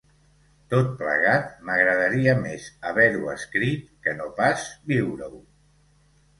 Tot plegat, m'agradaria més haver-ho escrit que no pas viure-ho.